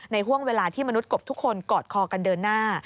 ห่วงเวลาที่มนุษย์กบทุกคนกอดคอกันเดินหน้า